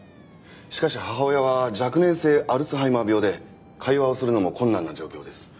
しかし母親は若年性アルツハイマー病で会話をするのも困難な状況です。